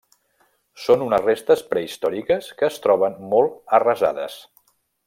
Són unes restes prehistòriques que es troben molt arrasades.